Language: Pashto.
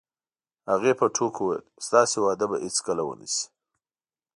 هغې په ټوکو وویل: ستاسې واده به هیڅکله ونه شي.